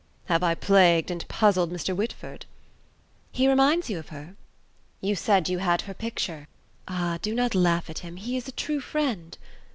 "Have I plagued and puzzled Mr. Whitford?" "He reminds you of her?" "You said you had her picture." "Ah! do not laugh at him. He is a true friend."